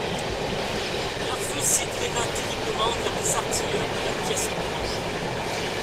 Leur feu s'égrena terriblement vers les artilleurs de la pièce proche.